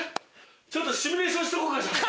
ちょっとシミュレーションしとこうかじゃあ。